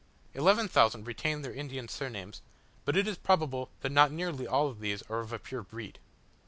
Eleven thousand retain their Indian surnames, but it is probable that not nearly all of these are of a pure breed.